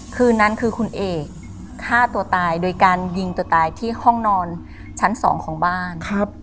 คืนนั้นคือคุณเอกฆ่าตัวตายโดยการยิงตัวตายที่ห้องนอนชั้น๒ของบ้าน